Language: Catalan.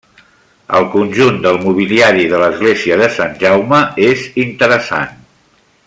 El conjunt del mobiliari de l'església de Sant Jaume és interessant.